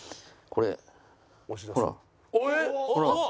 これ。